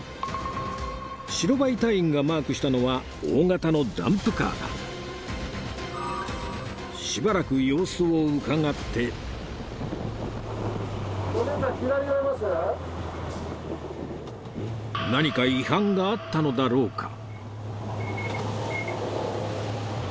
白バイ隊員がマークしたのは大型のダンプカーだしばらく様子をうかがって何か違反があったのだろうか？